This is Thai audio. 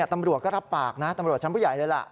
ตำรวจก็รับปากนะตำรวจชั้นผู้ใหญ่เลยล่ะ